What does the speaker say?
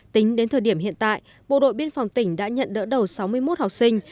tính đến thời điểm hiện tại bộ đội biên phòng tỉnh đã nhận đỡ đầu sáu mươi một học sinh